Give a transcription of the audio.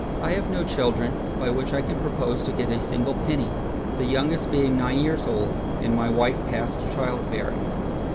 I have no children, by which I can propose to get a single penny; the youngest being nine years old, and my wife past child bearing.